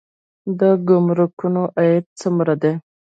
د ګمرکونو عاید څومره دی؟